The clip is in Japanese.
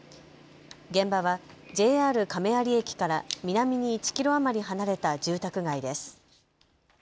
現場はＪＲ亀有駅から南に１キロ余り離れた住宅街です。